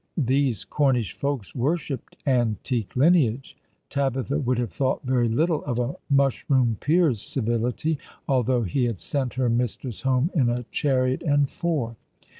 These Cornish folks worshipped antique lineage. Tabitha would have thought very little of a mushroom peer's civility, although he had sent her mistress home in a chariot and four.